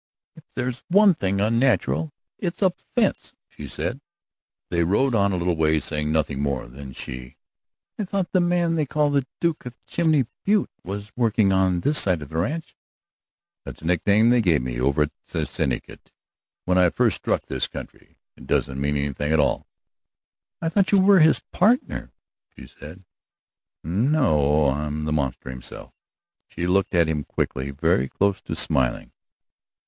"If there's one thing unnatural, it's a fence," she said. They rode on a little way, saying nothing more. Then she: "I thought the man they call the Duke of Chimney Butte was working on this side of the ranch?" "That's a nickname they gave me over at the Syndicate when I first struck this country. It doesn't mean anything at all." "I thought you were his partner," she said. "No, I'm the monster himself." She looked at him quickly, very close to smiling.